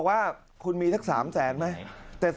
อาทิตย์๒๕อาทิตย์